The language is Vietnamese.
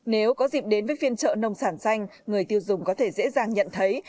nếu có dịp đến với phiên trợ nông sản xanh người tiêu dùng có thể dễ dàng nhận thấy